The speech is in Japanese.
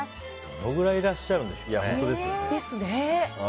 どのくらいいらっしゃるんでしょうね。